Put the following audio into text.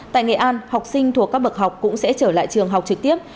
tại nghệ an học sinh thuộc các bậc học cũng sẽ trở lại trường học trực tiếp